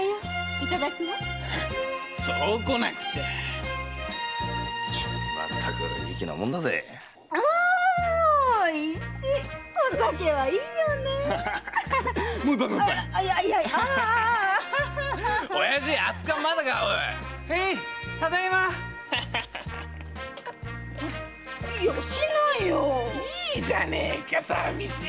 いいじゃねえかさびしいくせに。